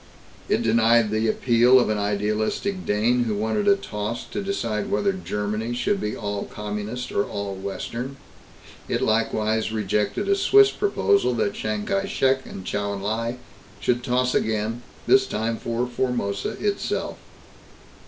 It denied the appeal of an idealistic Dane who wanted a toss to decide whether Germany should be all Communist or all Western. It likewise rejected a Swiss proposal that Chiang Kai Shek and Chou En Lai should toss again, this time for Formosa itself.